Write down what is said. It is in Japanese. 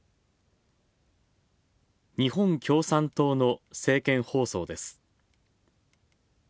日本共産党の政見放送です。